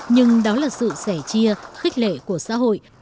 nhưng đó là sự sẻ chia khích lệ của xã hội